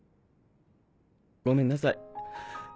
ごめんなさい。